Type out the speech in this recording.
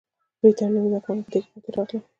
برېټانوي واکمنان په دې کې پاتې راغلل.